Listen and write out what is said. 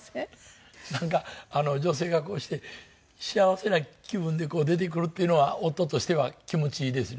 なんか女性がこうして幸せな気分で出てくるっていうのは夫としては気持ちいいですね。